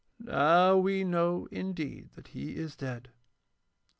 Now we know indeed that he is dead.